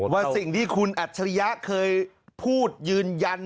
ว่าสิ่งที่คุณอัจฉริยะเคยพูดยืนยัน